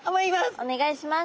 おねがいします。